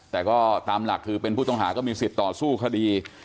แต่ก็ตามหลักคือเป็นผู้ต้องหาก็มีสิทธิ์ต่อสู้คดี